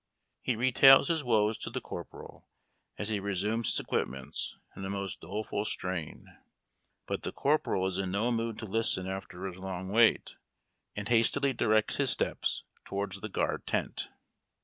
He retails his woes to the corporal, as he resumes his equipments, in a most doleful strain. But the corporal is in no mood to listen after his long wait, and hastily directs his steps towards the guard tent.